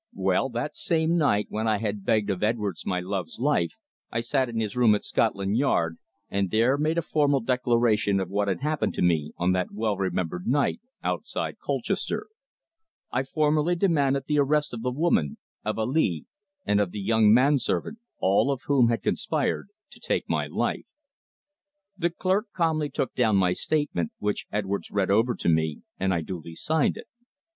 Well, that same night when I had begged of Edwards my love's life, I sat in his room at Scotland Yard and there made a formal declaration of what had happened to me on that well remembered night outside Colchester. I formally demanded the arrest of the woman, of Ali, and of the young man servant, all of whom had conspired to take my life. The clerk calmly took down my statement, which Edwards read over to me, and I duly signed it.